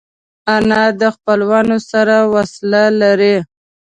انا د خپلوانو سره وصله لري